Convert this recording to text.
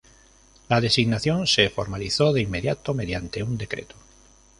La designación se formalizó de inmediato mediante un Decreto.